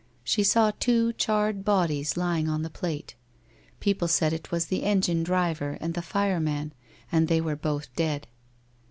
She saw two charred bodies lying on the plate. People said it was the engine driver and the fire man, and that they were both dead.